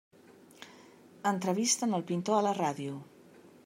Entrevisten el pintor a la ràdio.